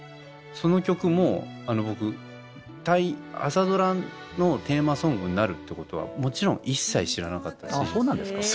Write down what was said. その曲も僕タイ朝ドラのテーマソングになるってことはもちろん一切知らなかったし。